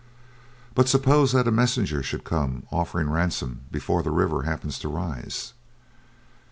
"But suppose that a messenger should come offering ransom before the river happens to rise?"